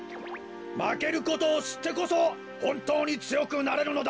まけることをしってこそほんとうにつよくなれるのだ。